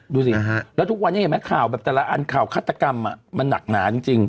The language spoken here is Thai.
ดูสิแล้วทุกวันนี้เห็นไหมข่าวแบบแต่ละอันข่าวฆาตกรรมมันหนักหนาจริง